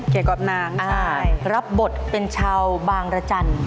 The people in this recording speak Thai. เกี่ยวกับหนังใช่ไหมครับอ่ารับบทเป็นชาวบางระจัน